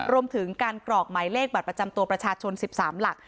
รวมถึงการกรอกหมายเลขบัตรประจำตัวประชาชน๑๓หลัก